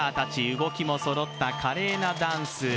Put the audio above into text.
動きもそろった、華麗なダンス。